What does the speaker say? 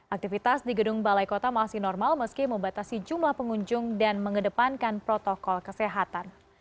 aktivitas di gedung balai kota masih normal meski membatasi jumlah pengunjung dan mengedepankan protokol kesehatan